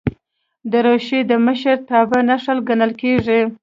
دریشي د مشرتابه نښه ګڼل کېږي.